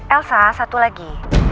elsa satu lagi